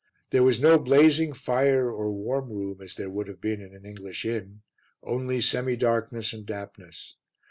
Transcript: There was no blazing fire or warm room as there would have been in an English inn, only semidarkness and dampness.